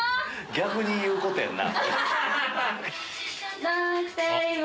逆に言うことやんな。